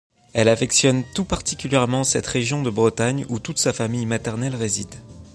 Elle affectionne tout particulièrement cette région de Bretagne où toute sa famille maternelle réside.